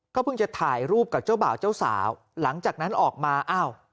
เพิ่งจะถ่ายรูปกับเจ้าบ่าวเจ้าสาวหลังจากนั้นออกมาอ้าว